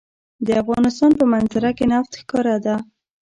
د افغانستان په منظره کې نفت ښکاره ده.